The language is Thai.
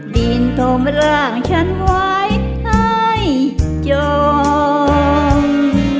ดินทมร่างฉันไว้ให้จอง